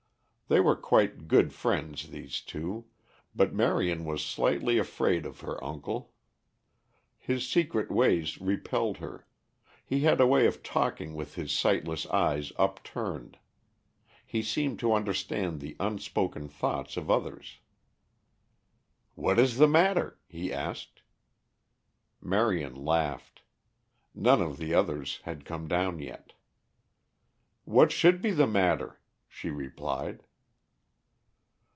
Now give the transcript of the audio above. They were quite good friends, these two, but Marion was slightly afraid of her uncle. His secret ways repelled her; he had a way of talking with his sightless eyes upturned; he seemed to understand the unspoken thoughts of others. "What is the matter?" he asked. Marion laughed. None of the others had come down yet. "What should be the matter?" she replied.